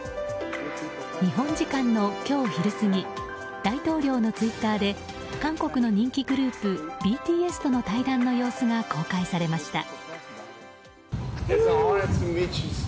日本時間の今日昼過ぎ大統領のツイッターで韓国の人気グループＢＴＳとの対談の様子が公開されました。